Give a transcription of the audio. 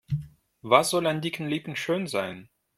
Was soll an dicken Lippen schön sein?